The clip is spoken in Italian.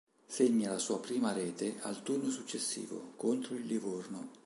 Segna la sua prima rete al turno successivo, contro il Livorno.